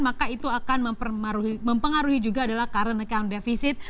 maka itu akan mempengaruhi juga adalah current account deficit